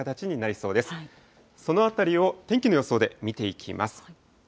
そのあたりを天気の予想で見ていきます。